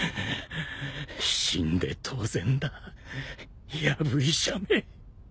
死んで当然だやぶ医者め。